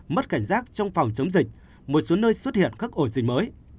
mất cảnh giác trong phòng chống dịch một số nơi xuất hiện các ổ dịch mới